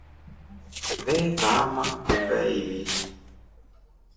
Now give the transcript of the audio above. Vee kaama kumbe ivili.